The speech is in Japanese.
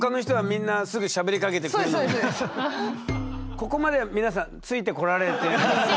ここまでは皆さんついて来られてますか？